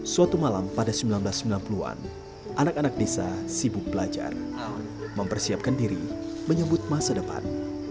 suatu malam pada seribu sembilan ratus sembilan puluh an anak anak desa sibuk belajar mempersiapkan diri menyambut masa depan